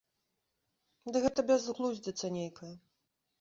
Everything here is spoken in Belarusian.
Ды гэта бязглудзіца нейкая.